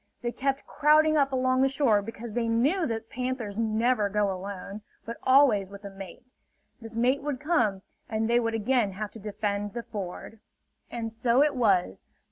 They kept crowding up along the shore because they knew that panthers never go alone, but always with a mate. This mate would come, and they would again have to defend the ford. And so it was.